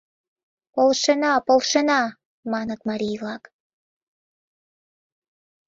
— Полшена, полшена! — маныт марий-влак.